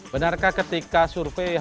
benarkah ketika survei